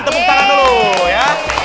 tepuk tangan dulu ya